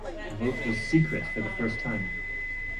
Vote was secret for the first time.